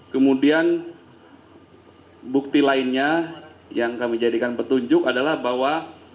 kemudian bukti lainnya yang kami jadikan petunjuk adalah bahwa